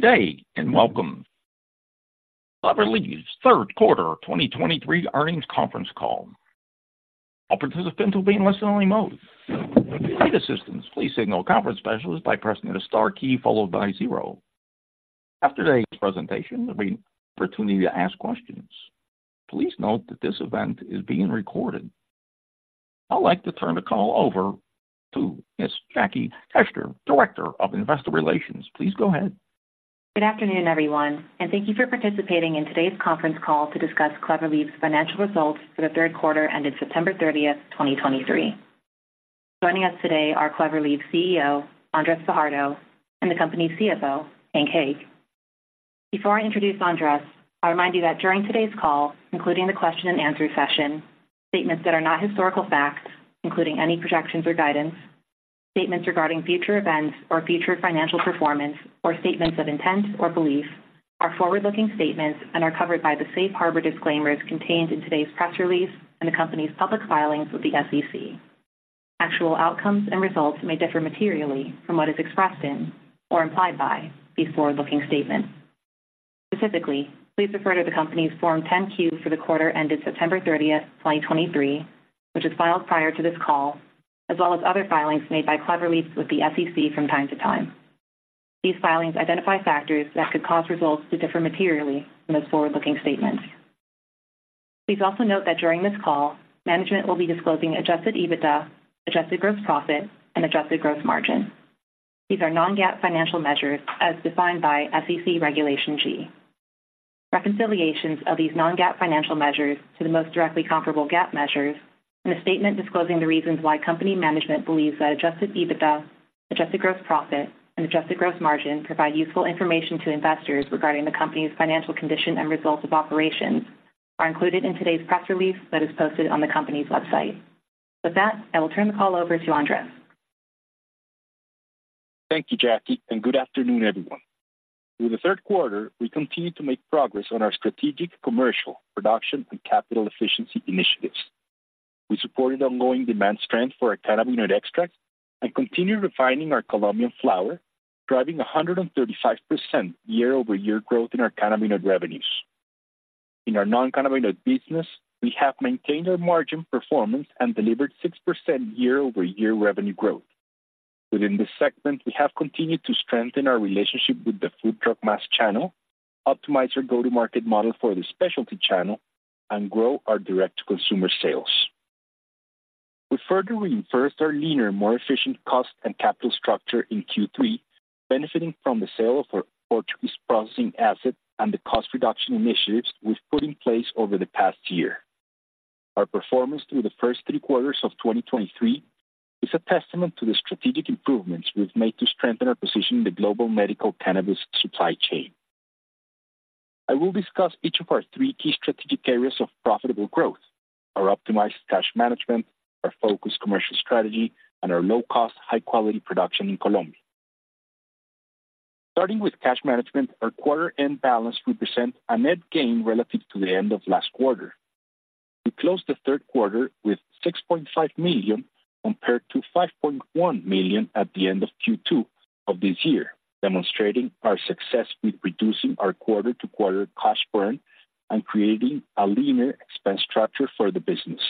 Good day, and welcome to Clever Leaves Third Quarter 2023 Earnings Conference Call. All participants will be in listen-only mode. If you need assistance, please signal a conference specialist by pressing the star key followed by zero. After today's presentation, there'll be an opportunity to ask questions. Please note that this event is being recorded. I'd like to turn the call over to Miss Jackie Keshner, Director of Investor Relations. Please go ahead. Good afternoon, everyone, and thank you for participating in today's conference call to discuss Clever Leaves' financial results for the third quarter ended September 30th, 2023. Joining us today are Clever Leaves CEO, Andrés Fajardo, and the company's CFO, Hank Hague. Before I introduce Andrés, I remind you that during today's call, including the question and answer session, statements that are not historical facts, including any projections or guidance, statements regarding future events or future financial performance, or statements of intent or belief, are forward-looking statements and are covered by the safe harbor disclaimers contained in today's press release and the company's public filings with the SEC. Actual outcomes and results may differ materially from what is expressed in, or implied by, these forward-looking statements. Specifically, please refer to the company's Form 10-Q for the quarter ended September 30th, 2023, which was filed prior to this call, as well as other filings made by Clever Leaves with the SEC from time to time. These filings identify factors that could cause results to differ materially from those forward-looking statements. Please also note that during this call, management will be disclosing Adjusted EBITDA, Adjusted Gross Profit, and Adjusted Gross Margin. These are non-GAAP financial measures as defined by SEC Regulation G. Reconciliations of these non-GAAP financial measures to the most directly comparable GAAP measures, and a statement disclosing the reasons why company management believes that Adjusted EBITDA, Adjusted Gross Profit, and Adjusted Gross Margin provide useful information to investors regarding the company's financial condition and results of operations, are included in today's press release that is posted on the company's website. With that, I will turn the call over to Andrés. Thank you, Jackie, and good afternoon, everyone. Through the third quarter, we continued to make progress on our strategic, commercial, production, and capital efficiency initiatives. We supported ongoing demand strength for our cannabinoid extract and continued refining our Colombian flower, driving 135% YoY growth in our cannabinoid revenues. In our non-cannabinoid business, we have maintained our margin performance and delivered 6% YoY revenue growth. Within this segment, we have continued to strengthen our relationship with the food, drug, mass channel, optimize our go-to-market model for the specialty channel, and grow our direct-to-consumer sales. We further reinforced our leaner, more efficient cost and capital structure in Q3, benefiting from the sale of our Portuguese processing asset and the cost reduction initiatives we've put in place over the past year. Our performance through the first three quarters of 2023 is a testament to the strategic improvements we've made to strengthen our position in the global medical cannabis supply chain. I will discuss each of our three key strategic areas of profitable growth: our optimized cash management, our focused commercial strategy, and our low-cost, high-quality production in Colombia. Starting with cash management, our quarter-end balance represent a net gain relative to the end of last quarter. We closed the third quarter with $6.5 million compared to $5.1 million at the end of Q2 of this year, demonstrating our success with reducing our quarter-to-quarter cash burn and creating a leaner expense structure for the business.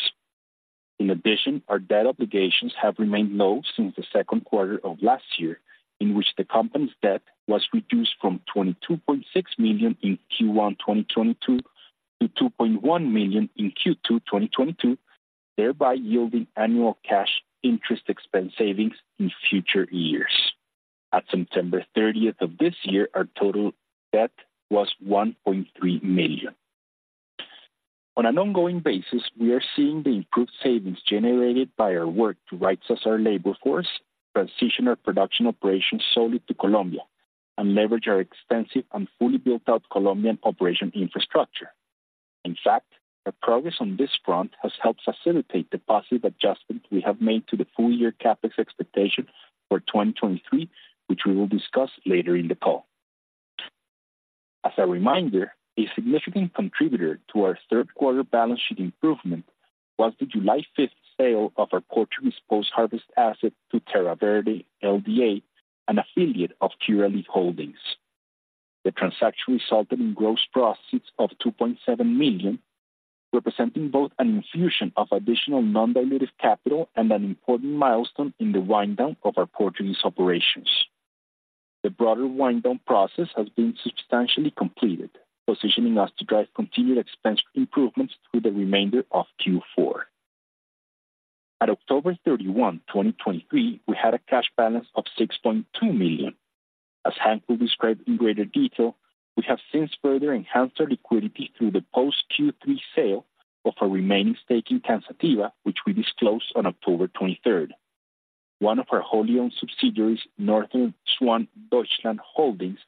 In addition, our debt obligations have remained low since the second quarter of last year, in which the company's debt was reduced from $22.6 million in Q1 2022 to $2.1 million in Q2 2022, thereby yielding annual cash interest expense savings in future years. At September 30th of this year, our total debt was $1.3 million. On an ongoing basis, we are seeing the improved savings generated by our work to right-size our labor force, transition our production operations solely to Colombia, and leverage our extensive and fully built-out Colombian operation infrastructure. In fact, our progress on this front has helped facilitate the positive adjustments we have made to the full year CapEx expectation for 2023, which we will discuss later in the call. As a reminder, a significant contributor to our third quarter balance sheet improvement was the July 5 sale of our Portuguese post-harvest asset to Terra Verde, Lda. an affiliate of Curaleaf Holdings. The transaction resulted in gross proceeds of $2.7 million, representing both an infusion of additional non-dilutive capital and an important milestone in the wind down of our Portuguese operations. The broader wind down process has been substantially completed, positioning us to drive continued expense improvements through the remainder of Q4. At October 31st, 2023, we had a cash balance of $6.2 million. As Hank will describe in greater detail, we have since further enhanced our liquidity through the post-Q3 sale of our remaining stake in Cansativa, which we disclosed on October 23rd. One of our wholly-owned subsidiaries, Northern Swan Deutschland Holdings,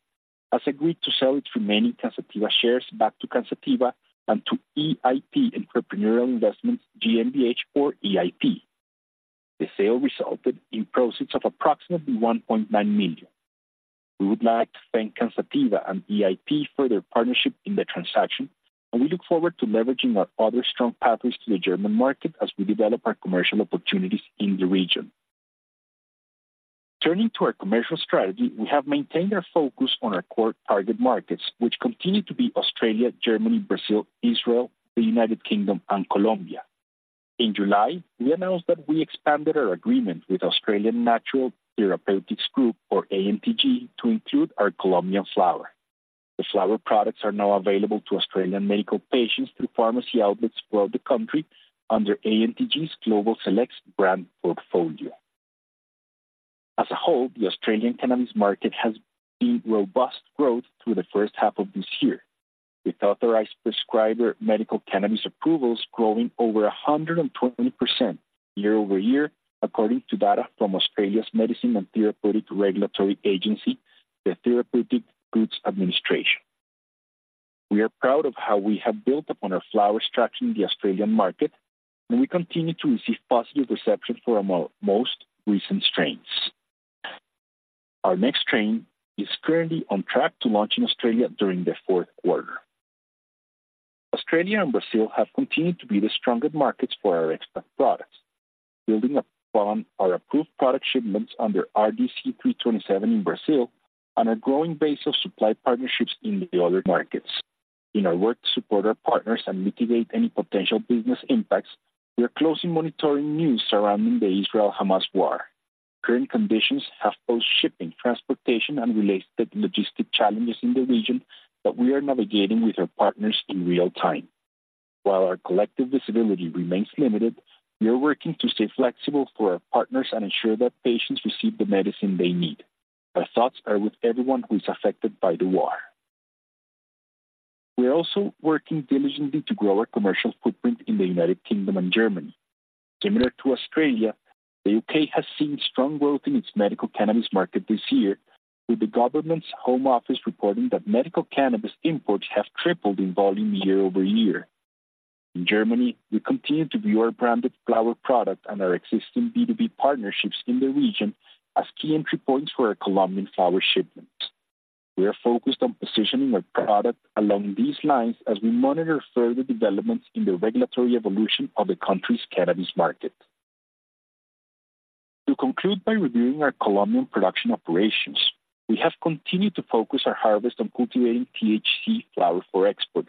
has agreed to sell its remaining Cansativa shares back to Cansativa and to Eins, Zwei, Drei GmbH, or EIP. The sale resulted in proceeds of approximately $1.9 million. We would like to thank Cansativa and EIP for their partnership in the transaction, and we look forward to leveraging our other strong pathways to the German market as we develop our commercial opportunities in the region. Turning to our commercial strategy, we have maintained our focus on our core target markets, which continue to be Australia, Germany, Brazil, Israel, the United Kingdom, and Colombia. In July, we announced that we expanded our agreement with Australian Natural Therapeutics Group, or ANTG, to include our Colombian flower. The flower products are now available to Australian medical patients through pharmacy outlets throughout the country under ANTG's Global Select brand portfolio. As a whole, the Australian cannabis market has seen robust growth through the first half of this year, with authorized prescriber medical cannabis approvals growing over 120% YoY, according to data from Australia's Therapeutic Goods Administration. We are proud of how we have built upon our flower structure in the Australian market, and we continue to receive positive reception for our most recent strains. Our next strain is currently on track to launch in Australia during the fourth quarter. Australia and Brazil have continued to be the strongest markets for our extract products, building upon our approved product shipments under RDC 327 in Brazil and a growing base of supply partnerships in the other markets. In our work to support our partners and mitigate any potential business impacts, we are closely monitoring news surrounding the Israel-Hamas war. Current conditions have both shipping, transportation, and related logistic challenges in the region that we are navigating with our partners in real time. While our collective visibility remains limited, we are working to stay flexible for our partners and ensure that patients receive the medicine they need. Our thoughts are with everyone who is affected by the war. We are also working diligently to grow our commercial footprint in the United Kingdom and Germany. Similar to Australia, the U.K. has seen strong growth in its medical cannabis market this year, with the government's Home Office reporting that medical cannabis imports have tripled in volume YoY. In Germany, we continue to view our branded flower product and our existing B2B partnerships in the region as key entry points for our Colombian flower shipments. We are focused on positioning our product along these lines as we monitor further developments in the regulatory evolution of the country's cannabis market. To conclude by reviewing our Colombian production operations, we have continued to focus our harvest on cultivating THC flower for export,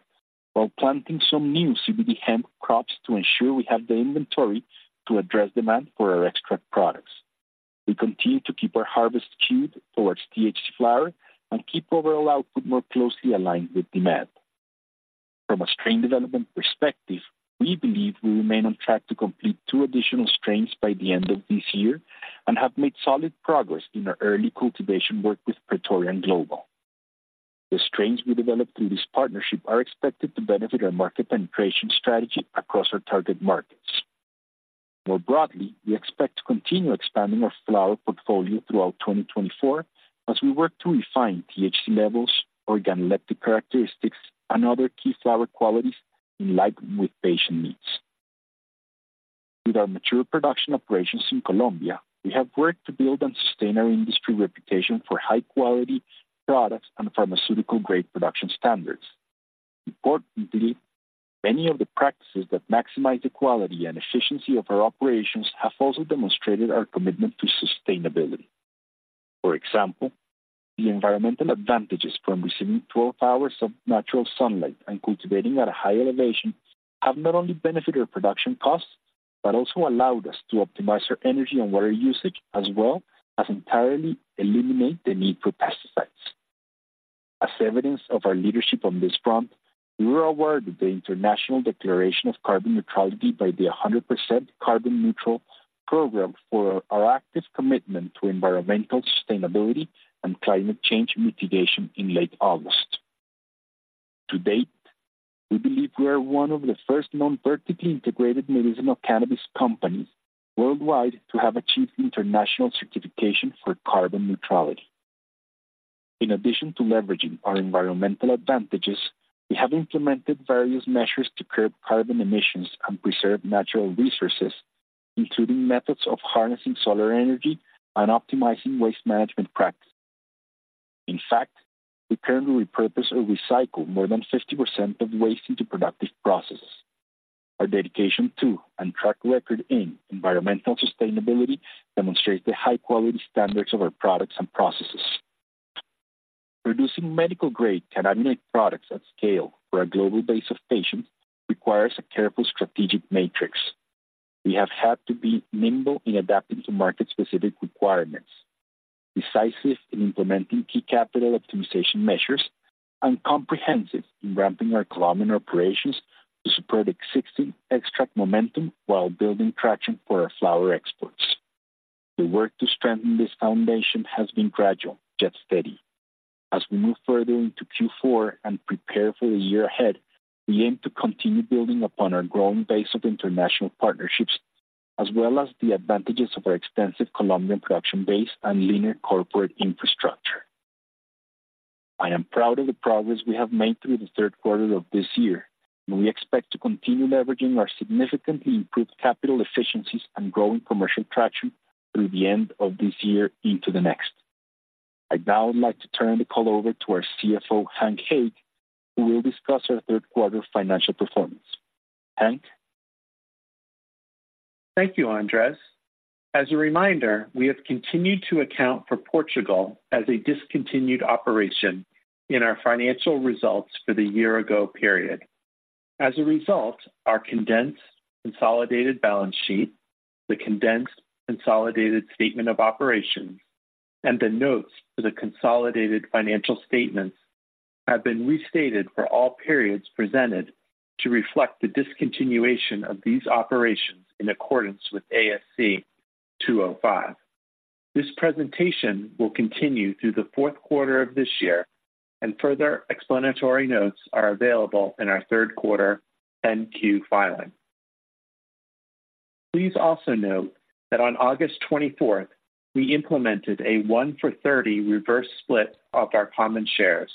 while planting some new CBD hemp crops to ensure we have the inventory to address demand for our extract products. We continue to keep our harvest skewed towards THC flower and keep overall output more closely aligned with demand. From a strain development perspective, we believe we remain on track to complete two additional strains by the end of this year and have made solid progress in our early cultivation work with Praetorian Global. The strains we developed through this partnership are expected to benefit our market penetration strategy across our target markets. More broadly, we expect to continue expanding our flower portfolio throughout 2024 as we work to refine THC levels, organoleptic characteristics, and other key flower qualities in line with patient needs. With our mature production operations in Colombia, we have worked to build and sustain our industry reputation for high-quality products and pharmaceutical-grade production standards. Importantly, many of the practices that maximize the quality and efficiency of our operations have also demonstrated our commitment to sustainability. For example, the environmental advantages from receiving 12 hours of natural sunlight and cultivating at a high elevation have not only benefited our production costs, but also allowed us to optimize our energy and water usage, as well as entirely eliminate the need for pesticides. As evidence of our leadership on this front, we were awarded the International Declaration of Carbon Neutrality by the 100% Carbon Neutral Program for our active commitment to environmental sustainability and climate change mitigation in late August. To date, we believe we are one of the first non-vertically integrated medicinal cannabis companies worldwide to have achieved international certification for carbon neutrality. In addition to leveraging our environmental advantages, we have implemented various measures to curb carbon emissions and preserve natural resources, including methods of harnessing solar energy and optimizing waste management practices. In fact, we currently repurpose or recycle more than 50% of waste into productive processes. Our dedication to, and track record in, environmental sustainability demonstrates the high-quality standards of our products and processes. Producing medical-grade cannabinoid products at scale for a global base of patients requires a careful strategic matrix. We have had to be nimble in adapting to market-specific requirements, decisive in implementing key capital optimization measures, and comprehensive in ramping our Colombian operations to support existing extract momentum while building traction for our flower exports. The work to strengthen this foundation has been gradual, yet steady. As we move further into Q4 and prepare for the year ahead, we aim to continue building upon our growing base of international partnerships, as well as the advantages of our extensive Colombian production base and linear corporate infrastructure. I am proud of the progress we have made through the third quarter of this year, and we expect to continue leveraging our significantly improved capital efficiencies and growing commercial traction through the end of this year into the next.... I now would like to turn the call over to our CFO, Hank Hague, who will discuss our third quarter financial performance. Hank? Thank you, Andrés. As a reminder, we have continued to account for Portugal as a discontinued operation in our financial results for the year-ago period. As a result, our condensed consolidated balance sheet, the condensed consolidated statement of operations, and the notes to the consolidated financial statements have been restated for all periods presented to reflect the discontinuation of these operations in accordance with ASC 205. This presentation will continue through the fourth quarter of this year, and further explanatory notes are available in our third quarter NQ filing. Please also note that on August twenty-fourth, we implemented a 1-for-30 reverse split of our common shares,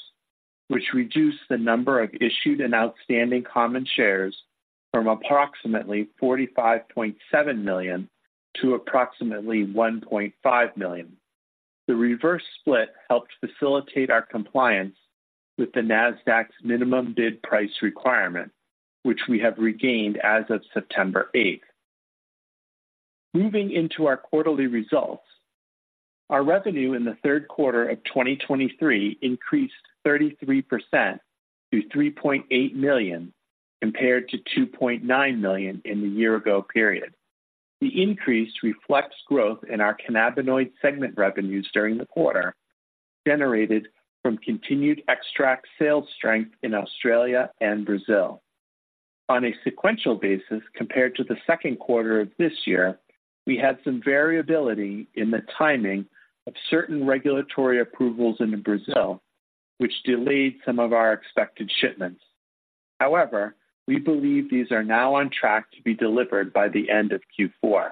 which reduced the number of issued and outstanding common shares from approximately 45.7 million to approximately 1.5 million. The reverse split helped facilitate our compliance with the Nasdaq's minimum bid price requirement, which we have regained as of September 8th. Moving into our quarterly results, our revenue in the third quarter of 2023 increased 33% to $3.8 million, compared to $2.9 million in the year-ago period. The increase reflects growth in our cannabinoid segment revenues during the quarter, generated from continued extract sales strength in Australia and Brazil. On a sequential basis, compared to the second quarter of this year, we had some variability in the timing of certain regulatory approvals in Brazil, which delayed some of our expected shipments. However, we believe these are now on track to be delivered by the end of Q4.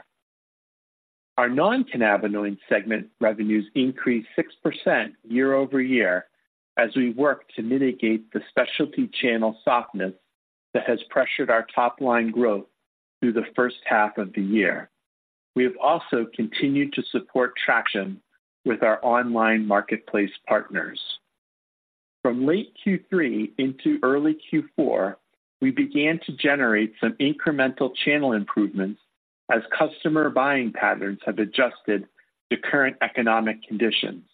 Our non-cannabinoid segment revenues increased 6% YoY as we work to mitigate the specialty channel softness that has pressured our top-line growth through the first half of the year. We have also continued to support traction with our online marketplace partners. From late Q3 into early Q4, we began to generate some incremental channel improvements as customer buying patterns have adjusted to current economic conditions.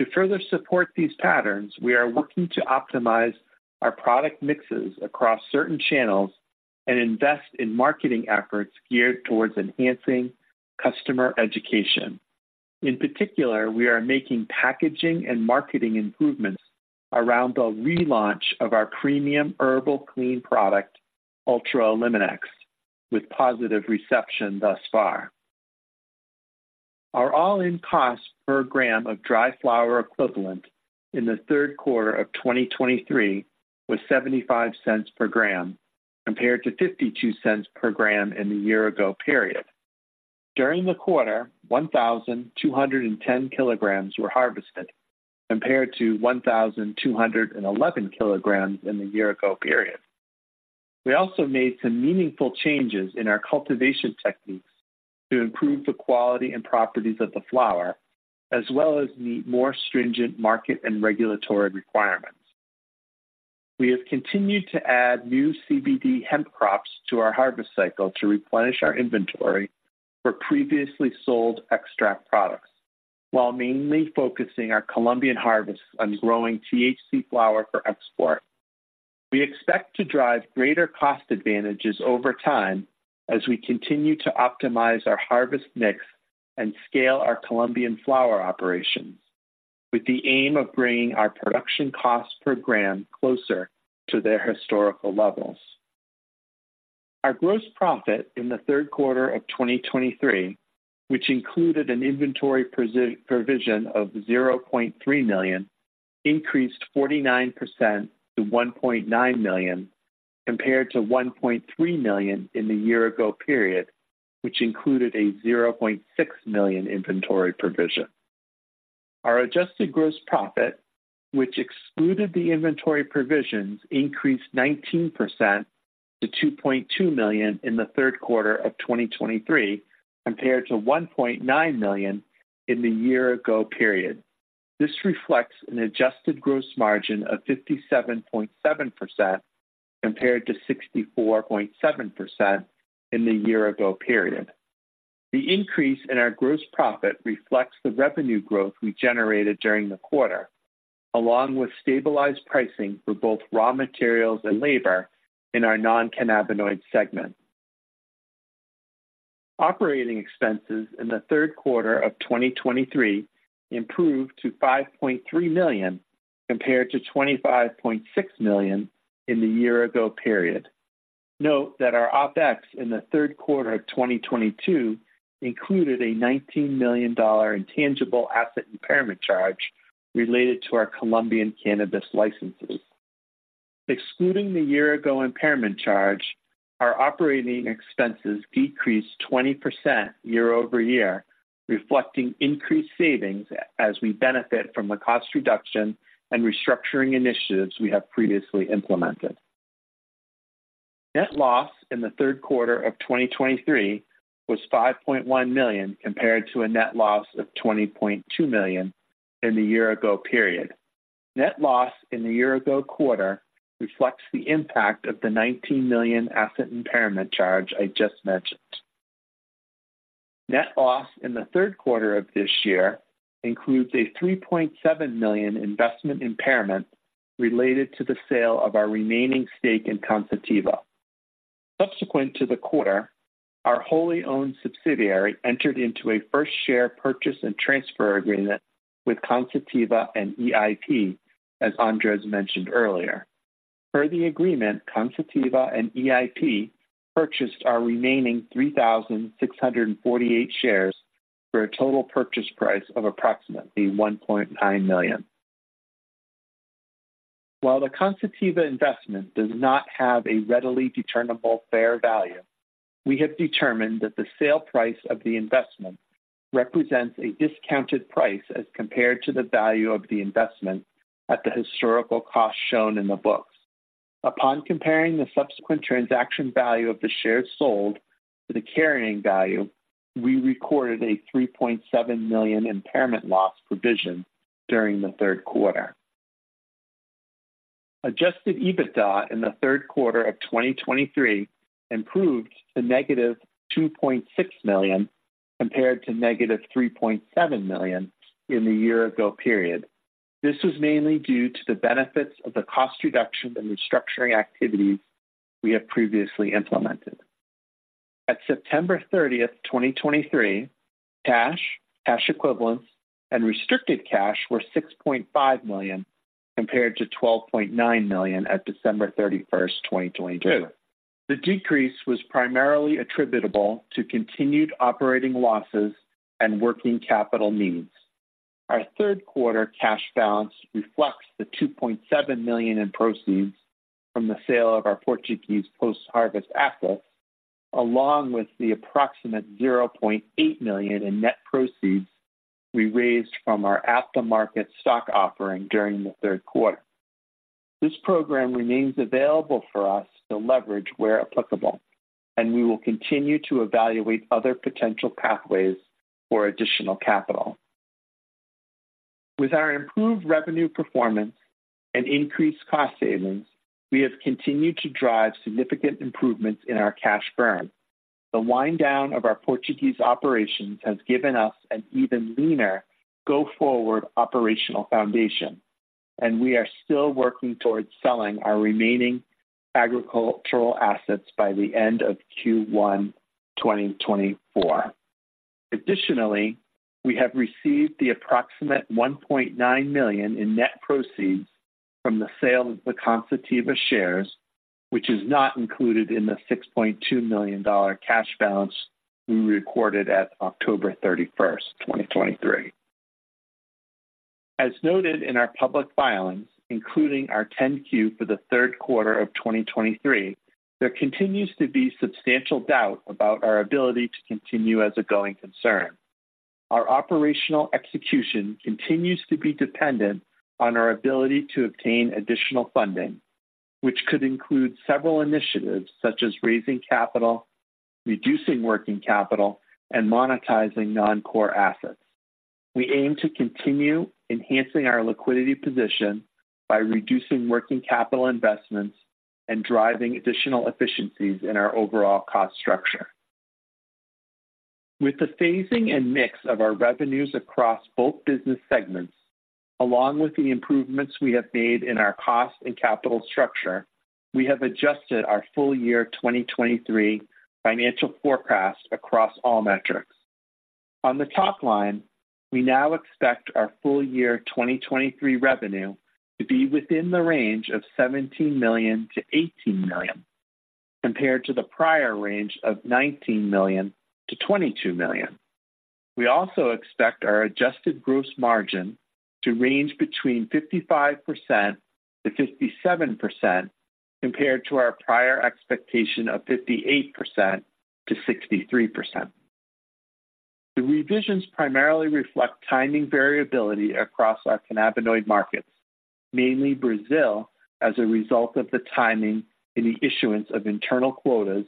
To further support these patterns, we are working to optimize our product mixes across certain channels and invest in marketing efforts geared towards enhancing customer education. In particular, we are making packaging and marketing improvements around the relaunch of our premium Herbal Clean product, Ultra Eliminex, with positive reception thus far. Our all-in cost per gram of dry flower equivalent in the third quarter of 2023 was $0.75 per gram, compared to $0.52 per gram in the year-ago period. During the quarter, 1,210 kilograms were harvested, compared to 1,211 kilograms in the year-ago period. We also made some meaningful changes in our cultivation techniques to improve the quality and properties of the flower, as well as meet more stringent market and regulatory requirements. We have continued to add new CBD hemp crops to our harvest cycle to replenish our inventory for previously sold extract products, while mainly focusing our Colombian harvest on growing THC flower for export. We expect to drive greater cost advantages over time as we continue to optimize our harvest mix and scale our Colombian flower operations, with the aim of bringing our production costs per gram closer to their historical levels. Our gross profit in the third quarter of 2023, which included an inventory provision of $0.3 million, increased 49% to $1.9 million, compared to $1.3 million in the year-ago period, which included a $0.6 million inventory provision. Our Adjusted gross profit, which excluded the inventory provisions, increased 19% to $2.2 million in the third quarter of 2023, compared to $1.9 million in the year-ago period. This reflects an Adjusted gross margin of 57.7%, compared to 64.7% in the year-ago period. The increase in our gross profit reflects the revenue growth we generated during the quarter, along with stabilized pricing for both raw materials and labor in our non-cannabinoid segment. Operating expenses in the third quarter of 2023 improved to $5.3 million, compared to $25.6 million in the year-ago period. Note that our OpEx in the third quarter of 2022 included a $19 million intangible asset impairment charge related to our Colombian cannabis licenses. Excluding the year-ago impairment charge, our operating expenses decreased 20% YoY, reflecting increased savings as we benefit from the cost reduction and restructuring initiatives we have previously implemented. Net loss in the third quarter of 2023 was $5.1 million, compared to a net loss of $20.2 million in the year-ago period. Net loss in the year-ago quarter reflects the impact of the $19 million asset impairment charge I just mentioned. Net loss in the third quarter of this year includes a $3.7 million investment impairment related to the sale of our remaining stake in Cansativa. Subsequent to the quarter, our wholly owned subsidiary entered into a first share purchase and transfer agreement with Cansativa and EIP, as Andrés mentioned earlier. Per the agreement, Cansativa and EIP purchased our remaining 3,648 shares for a total purchase price of approximately $1.9 million. While the Cansativa investment does not have a readily determinable fair value, we have determined that the sale price of the investment represents a discounted price as compared to the value of the investment at the historical cost shown in the books. Upon comparing the subsequent transaction value of the shares sold to the carrying value, we recorded a $3.7 million impairment loss provision during the third quarter. Adjusted EBITDA in the third quarter of 2023 improved to -$2.6 million, compared to -$3.7 million in the year ago period. This was mainly due to the benefits of the cost reduction and restructuring activities we have previously implemented. At September 30th, 2023, cash, cash equivalents, and restricted cash were $6.5 million, compared to $12.9 million at December 31st, 2022. The decrease was primarily attributable to continued operating losses and working capital needs. Our third quarter cash balance reflects the $2.7 million in proceeds from the sale of our Portuguese post-harvest assets, along with the approximate $0.8 million in net proceeds we raised from our after-market stock offering during the third quarter. This program remains available for us to leverage where applicable, and we will continue to evaluate other potential pathways for additional capital. With our improved revenue performance and increased cost savings, we have continued to drive significant improvements in our cash burn. The wind down of our Portuguese operations has given us an even leaner go-forward operational foundation, and we are still working towards selling our remaining agricultural assets by the end of Q1 2024. Additionally, we have received the approximate $1.9 million in net proceeds from the sale of the Cansativa shares, which is not included in the $6.2 million cash balance we recorded at October 31st, 2023. As noted in our public filings, including our 10-Q for the third quarter of 2023, there continues to be substantial doubt about our ability to continue as a going concern. Our operational execution continues to be dependent on our ability to obtain additional funding, which could include several initiatives such as raising capital, reducing working capital, and monetizing non-core assets. We aim to continue enhancing our liquidity position by reducing working capital investments and driving additional efficiencies in our overall cost structure. With the phasing and mix of our revenues across both business segments, along with the improvements we have made in our cost and capital structure, we have adjusted our full year 2023 financial forecast across all metrics. On the top line, we now expect our full year 2023 revenue to be within the range of $17 million-$18 million, compared to the prior range of $19 million-$22 million. We also expect our Adjusted Gross Margin to range between 55%-57%, compared to our prior expectation of 58%-63%. The revisions primarily reflect timing variability across our cannabinoid markets, mainly Brazil, as a result of the timing in the issuance of internal quotas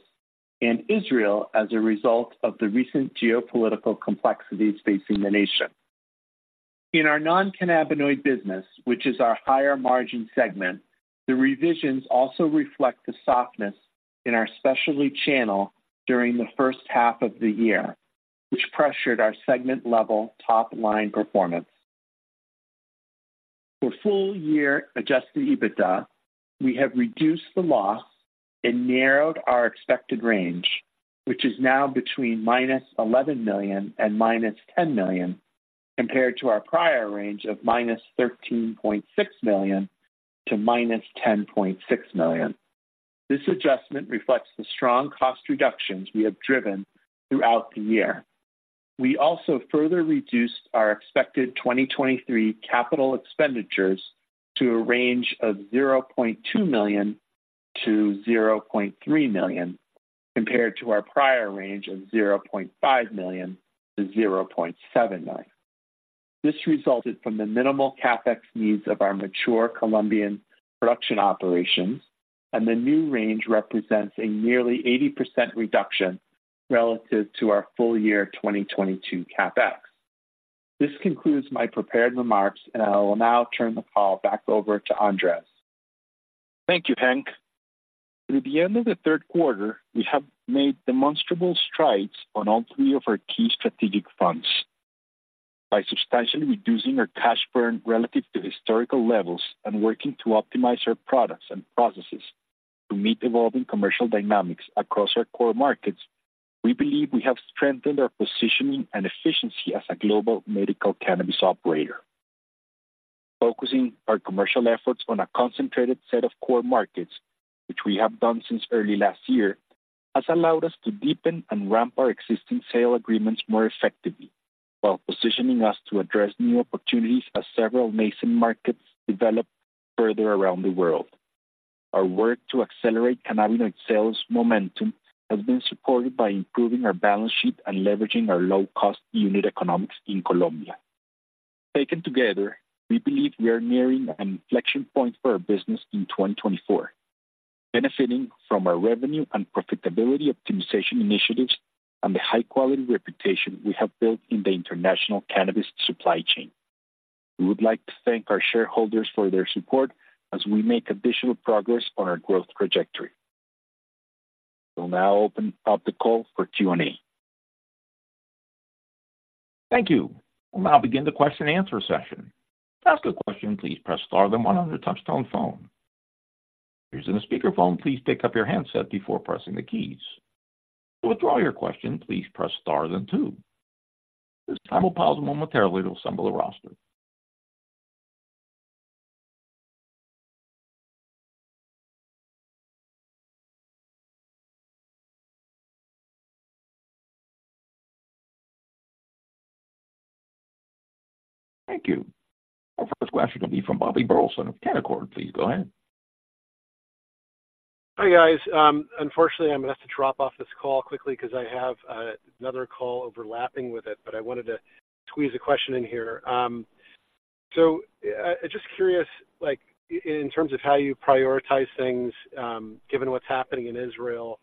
and Israel as a result of the recent geopolitical complexities facing the nation. In our non-cannabinoid business, which is our higher margin segment, the revisions also reflect the softness in our specialty channel during the first half of the year, which pressured our segment-level top-line performance. For full-year Adjusted EBITDA, we have reduced the loss and narrowed our expected range, which is now between -$11 million and -$10 million, compared to our prior range of -$13.6 million-$10.6 million. This adjustment reflects the strong cost reductions we have driven throughout the year. We also further reduced our expected 2023 capital expenditures to a range of $0.2 million-$0.3 million, compared to our prior range of $0.5 million-$0.7 million. This resulted from the minimal CapEx needs of our mature Colombian production operations, and the new range represents a nearly 80% reduction relative to our full year 2022 CapEx. This concludes my prepared remarks, and I will now turn the call back over to Andrés. Thank you, Hank. Through the end of the third quarter, we have made demonstrable strides on all three of our key strategic fronts. By substantially reducing our cash burn relative to historical levels and working to optimize our products and processes to meet evolving commercial dynamics across our core markets, we believe we have strengthened our positioning and efficiency as a global medical cannabis operator. Focusing our commercial efforts on a concentrated set of core markets, which we have done since early last year, has allowed us to deepen and ramp our existing sale agreements more effectively, while positioning us to address new opportunities as several nascent markets develop further around the world. Our work to accelerate cannabinoid sales momentum has been supported by improving our balance sheet and leveraging our low-cost unit economics in Colombia. Taken together, we believe we are nearing an inflection point for our business in 2024, benefiting from our revenue and profitability optimization initiatives and the high-quality reputation we have built in the international cannabis supply chain. We would like to thank our shareholders for their support as we make additional progress on our growth trajectory. We'll now open up the call for Q&A. Thank you. We'll now begin the question and answer session. To ask a question, please press star then one on your touchtone phone. If you're using a speakerphone, please pick up your handset before pressing the keys. To withdraw your question, please press star then two. At this time, we'll pause momentarily to assemble the roster. Thank you. Our first question will be from Bobby Burleson of Canaccord. Please go ahead. Hi, guys. Unfortunately, I'm going to have to drop off this call quickly because I have another call overlapping with it, but I wanted to squeeze a question in here. So, just curious, like, in terms of how you prioritize things, given what's happening in Israel,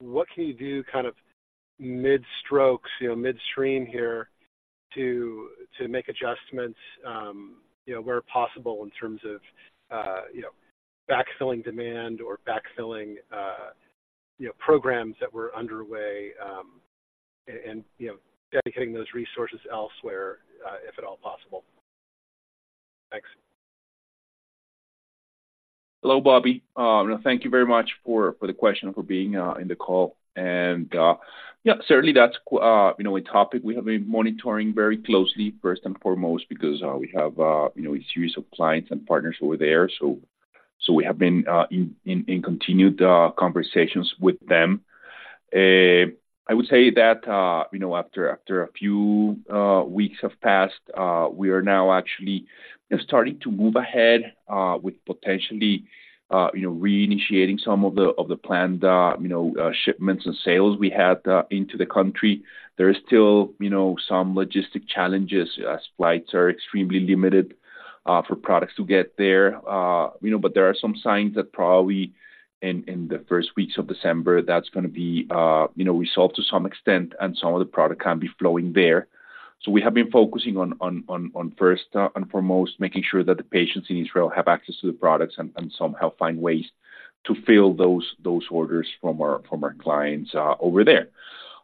what can you do kind of mid-strokes, you know, midstream here to make adjustments, you know, where possible in terms of, you know, backfilling demand or backfilling, you know, programs that were underway, and you know, dedicating those resources elsewhere, if at all possible? Thanks. Hello, Bobby. Thank you very much for the question, for being in the call. Yeah, certainly that's, you know, a topic we have been monitoring very closely first and foremost because we have, you know, a series of clients and partners over there, so we have been in continued conversations with them. I would say that, you know, after a few weeks have passed, we are now actually starting to move ahead with potentially, you know, reinitiating some of the planned shipments and sales we had into the country. There is still, you know, some logistic challenges, as flights are extremely limited for products to get there. You know, but there are some signs that probably in the first weeks of December, that's going to be resolved to some extent and some of the product can be flowing there. So we have been focusing on first and foremost, making sure that the patients in Israel have access to the products and somehow find ways to fill those orders from our clients over there.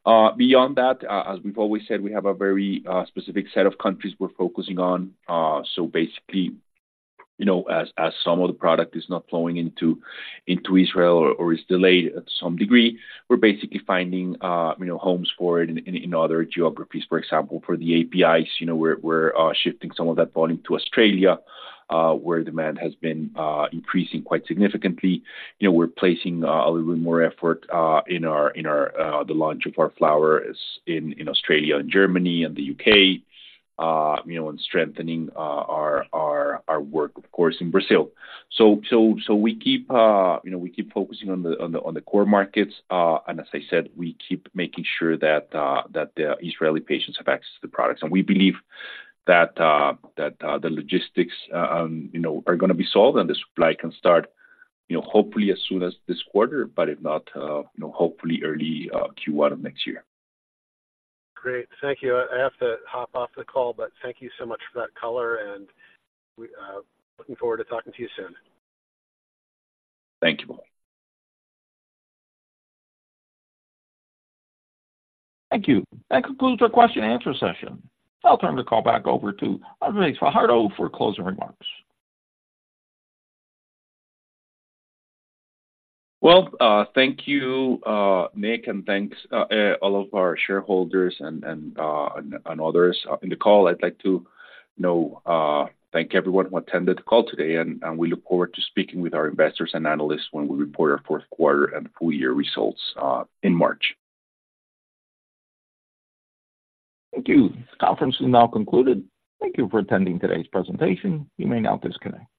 Beyond that, as we've always said, we have a very specific set of countries we're focusing on. So basically, you know, as some of the product is not flowing into Israel or is delayed at some degree, we're basically finding, you know, homes for it in other geographies, for example, for the APIs, you know, we're shifting some of that volume to Australia, where demand has been increasing quite significantly. You know, we're placing a little more effort in our the launch of our flowers in Australia and Germany and the UK, you know, and strengthening our work, of course, in Brazil. So we keep, you know, we keep focusing on the core markets. And as I said, we keep making sure that the Israel patients have access to the products. We believe that the logistics, you know, are going to be solved and the supply can start, you know, hopefully as soon as this quarter, but if not, you know, hopefully early Q1 of next year. Great. Thank you. I have to hop off the call, but thank you so much for that color, and we, looking forward to talking to you soon. Thank you, Bobby. Thank you. That concludes our question and answer session. I'll turn the call back over to Andrés Fajardo for closing remarks. Well, thank you, Nick, and thanks, all of our shareholders and others in the call. I'd like to, you know, thank everyone who attended the call today, and we look forward to speaking with our investors and analysts when we report our fourth quarter and full year results, in March. Thank you. This conference is now concluded. Thank you for attending today's presentation. You may now disconnect.